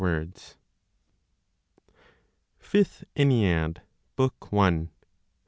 FIFTH ENNEAD, BOOK ONE.